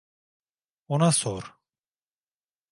Ona sor.